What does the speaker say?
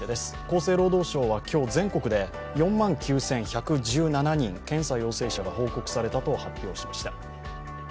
厚生労働省は今日全国で４万９１１７人検査陽性者が報告されたと発表しました。